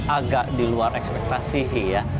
agak di luar ekspektasi sih ya